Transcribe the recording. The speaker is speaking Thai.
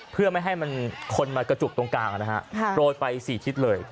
เพื่อไม่ให้มันคนมากระจุกตรงกลางนะฮะโปรยไป๔ทิศเลย